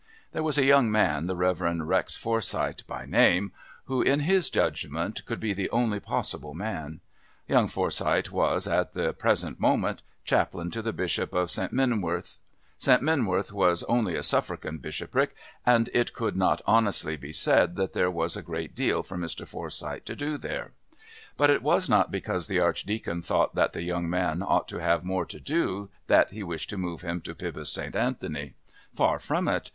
There was a young man, the Rev. Rex Forsyth by name, who, in his judgment, could be the only possible man. Young Forsyth was, at the present moment, chaplain to the Bishop of St. Minworth. St. Minworth was only a Suffragan Bishopric, and it could not honestly be said that there was a great deal for Mr. Forsyth to do there. But it was not because the Archdeacon thought that the young man ought to have more to do that he wished to move him to Pybus St. Anthony. Far from it!